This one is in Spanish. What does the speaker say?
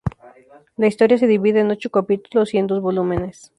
La historia se divide en ocho capítulos y en dos volúmenes.